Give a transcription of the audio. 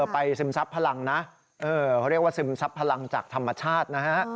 ซึมซับพลังนะเขาเรียกว่าซึมซับพลังจากธรรมชาตินะฮะ